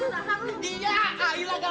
aduh mengikut kamu dah